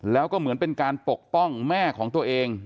แล้วก็เหมือนเป็นการปกป้องแม่ของตัวเอง